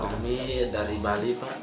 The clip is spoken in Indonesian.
pak omid dari bali pak